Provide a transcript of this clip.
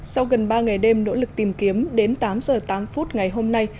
sau gần ba ngày đêm nỗ lực tìm kiếm đến tám giờ tám phút ngày hôm nay